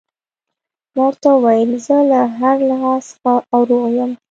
ما ورته وویل: زه له هر لحاظه ښه او روغ یم.